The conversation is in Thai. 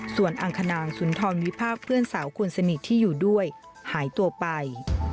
ส่วนอังคณางสุนทรวิพากษ์เพื่อนสาวคนสนิทที่อยู่ด้วยหายตัวไป